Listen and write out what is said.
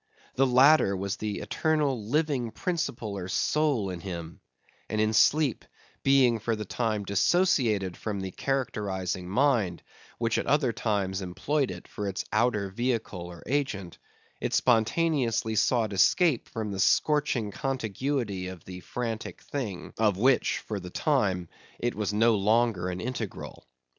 The latter was the eternal, living principle or soul in him; and in sleep, being for the time dissociated from the characterizing mind, which at other times employed it for its outer vehicle or agent, it spontaneously sought escape from the scorching contiguity of the frantic thing, of which, for the time, it was no longer an integral.